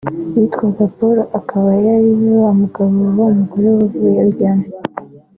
witwaga Paul akaba yari we mugabo wa wa mugore wavuye Rugema